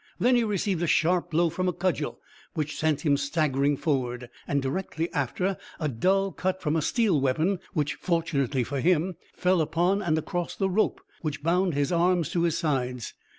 Then he received a sharp blow from a cudgel, which sent him staggering forward, and directly after a dull cut from a steel weapon, which, fortunately for him, fell upon and across the rope which bound his arms to his sides.